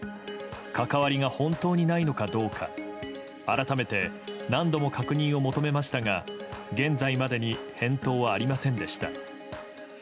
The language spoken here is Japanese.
関わりが本当にないのかどうか改めて何度も確認を求めましたが現在までに返答はありませんでした。